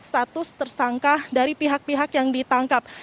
juga untuk menentukan status tersangka dari pihak pihak yang ditangkap